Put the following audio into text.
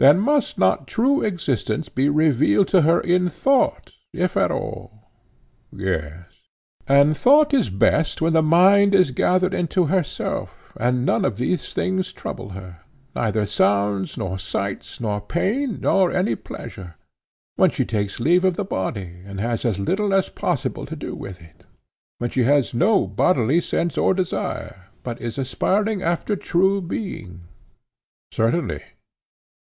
Then must not true existence be revealed to her in thought, if at all? Yes. And thought is best when the mind is gathered into herself and none of these things trouble her—neither sounds nor sights nor pain nor any pleasure,—when she takes leave of the body, and has as little as possible to do with it, when she has no bodily sense or desire, but is aspiring after true being? Certainly.